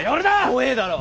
怖えだろ。